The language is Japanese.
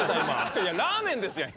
いやラーメンですやん今の。